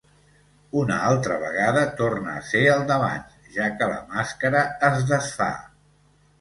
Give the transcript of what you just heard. Una altra vegada, torna a ser el d'abans, ja que la màscara es desfà.